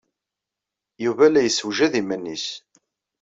Yuba la yessewjad iman-nnes.